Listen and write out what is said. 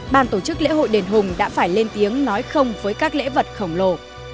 ban tổ chức lễ hội đền hùng đã phải lên tiếng nói không với các lễ vật khổng lồ